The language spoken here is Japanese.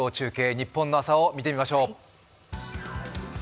ニッポンの朝を見てみましょう。